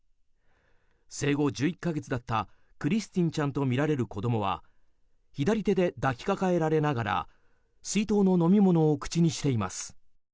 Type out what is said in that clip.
生後１１か月だったクリスティンちゃんとみられる子供は左手で抱きかかえられながら水筒の飲み物を口にしています。